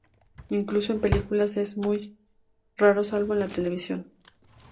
Incluso en películas, es muy raro, salvo en la televisión.